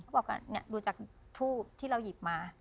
บอกว่าดูจากทูบที่เราหยิบมา